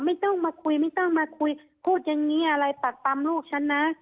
ไม่ต้องมาคุยไม่ต้องมาคุยพูดอย่างนี้อะไรปักปำลูกฉันนะ